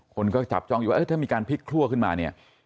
คนก็จับจ้องอยู่ว่าถ้ามีการพลิกคั่วขึ้นมาเนี่ย